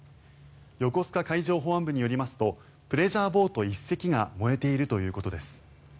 横須賀海上保安部によりますとプレジャーボート１隻が燃えているということです。